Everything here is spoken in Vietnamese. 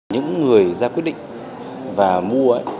những người ra quyết định và mua ấy